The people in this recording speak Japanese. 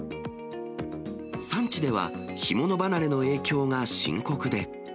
産地では、干物離れの影響が深刻で。